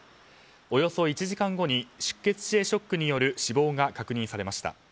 およそ１時間後に出血性ショックによる死亡が確認されました。